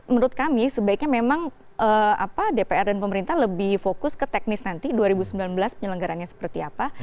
menurut kami sebaiknya memang dpr dan pemerintah lebih fokus ke teknis nanti dua ribu sembilan belas penyelenggarannya seperti apa